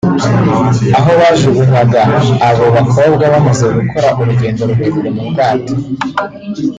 aho bajugunyaga abo bakobwa bamaze gukora urugendo rurerure mu bwato